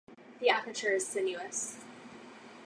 The aperture is sinuous.